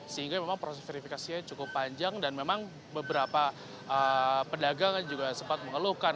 sehingga memang proses verifikasinya cukup panjang dan memang beberapa pedagang juga sempat mengeluhkan